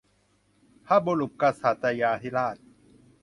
พระบุรพกษัตริยาธิราช